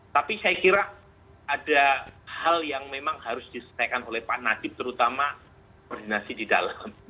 tapi saya kira ada hal yang memang harus diselesaikan oleh pak nadieb terutama koordinasi di dalam